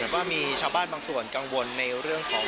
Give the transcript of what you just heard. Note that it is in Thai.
ว่ามีชาวบ้านบางส่วนกังวลในเรื่องของ